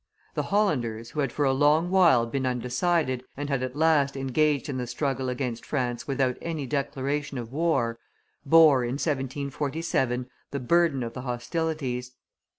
The Hollanders, who had for a long while been undecided, and had at last engaged in the struggle against France without any declaration of war, bore, in 1747, the burden of the hostilities.